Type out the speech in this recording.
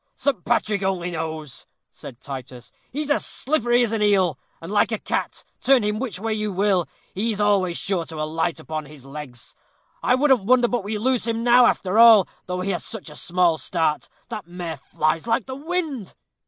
"Saint Patrick only knows!" said Titus; "he's as slippery as an eel and, like a cat, turn him which way you will, he is always sure to alight upon his legs. I wouldn't wonder but we lose him now, after all, though he has such a small start. That mare flies like the wind."